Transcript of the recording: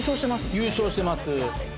優勝してます。